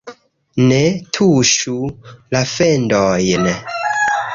Ne tuŝu la fendojn...